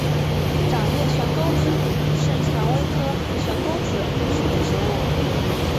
掌叶悬钩子是蔷薇科悬钩子属的植物。